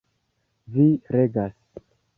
Vi regas!